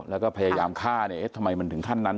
แล้วก็พยายามฆ่าทำไมมันถึงท่านนั้น